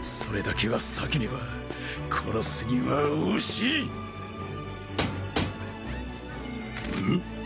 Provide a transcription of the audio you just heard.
それだけは避けねば殺すには惜しいうん？